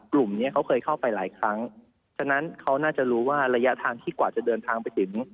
กลุ่มเนี้ยเขาเคยเข้าไปหลายครั้งฉะนั้นเขาน่าจะรู้ว่าระยะทางที่กว่าจะเดินทางไปถึง